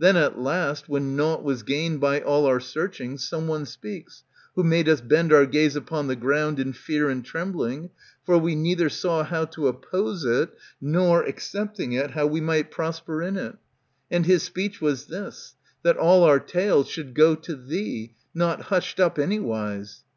Then at last, when nought Was gained by all our searching, some one speaks, Who made us bend our gaze upon the ground ^^^ In fear and trembling ; for we neither saw How to oppose it, nor, accepting it, How we might prosper in it. And his speech Was this, that all our tale should go to thee. Not hushed up anywise.